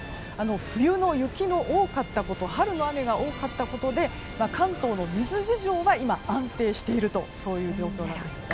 冬の雪の多かったこと春の雨が多かったことで関東の水事情は今、安定している状況なんですね。